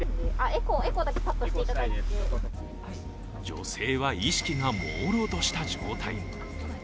女性は意識がもうろうとした状態。